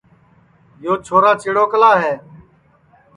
یو چھورا چِڑوکلا ہے